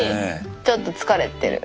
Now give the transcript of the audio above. ちょっと疲れてる。